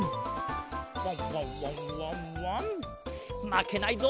まけないぞ。